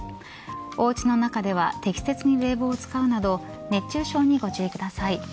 おうちの中では適切に冷房を使うなど熱中症にご注意ください。